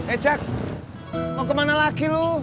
eh cak mau kemana lagi lu